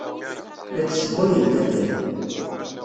La d-ssewwayent atay.